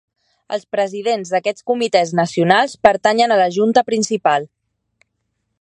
Els presidents d'aquests comitès nacionals pertanyen a la Junta principal.